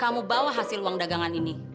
kamu bawa hasil uang dagangan ini